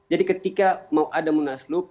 jadi ketika mau ada munaslup